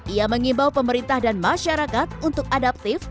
ia mengimbau pemerintah dan masyarakat untuk adaptif